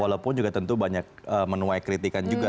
walaupun juga tentu banyak menuai kritikan juga